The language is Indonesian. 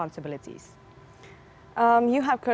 anda benar benar mengatakannya